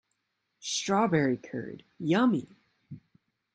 Strawberry curd, yummy!